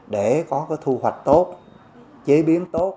để có cái thu hoạch tốt chế biến tốt